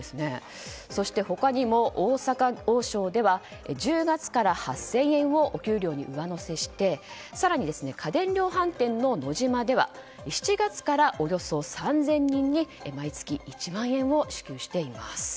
そして、他にも大阪王将では１０月から８０００円をお給料に上乗せして更に、家電量販店のノジマでは７月からおよそ３０００人に毎月１万円を支給しています。